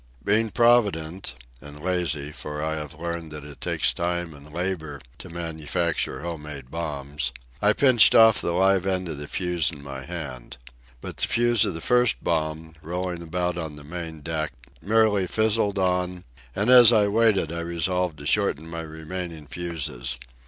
Being provident (and lazy, for I have learned that it takes time and labour to manufacture home made bombs), I pinched off the live end of the fuse in my hand. But the fuse of the first bomb, rolling about on the main deck, merely fizzled on; and as I waited I resolved to shorten my remaining fuses.